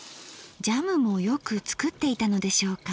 ジャムもよく作っていたのでしょうか。